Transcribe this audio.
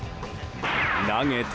投げて。